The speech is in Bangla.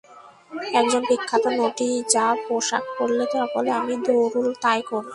একজন বিখ্যাত নটী যা পোষাক পরলে, সকলে অমনি দৌড়ুল তাই করতে।